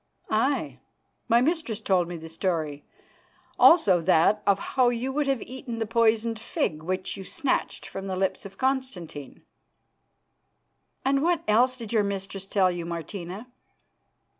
"Aye, my mistress told me the story. Also that of how you would have eaten the poisoned fig, which you snatched from the lips of Constantine." "And what else did your mistress tell you, Martina?"